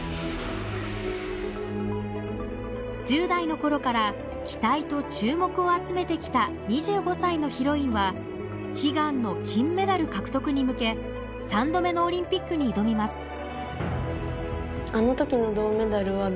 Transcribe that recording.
１０代のころから期待と注目を集めてきた２５歳のヒロインは悲願の金メダル獲得に向け３度目のオリンピックに挑みます。